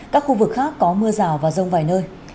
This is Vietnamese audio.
các khu vực khác có mưa rào và rông vài nơi